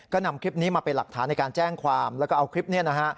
ก็นำคลิปนี้มาเป็นหลักฐานในการแจ้งความแล้วก็เอาคลิปนี้นะฮะ